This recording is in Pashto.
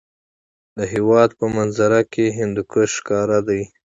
د هېواد په منظره کې هندوکش ښکاره دی.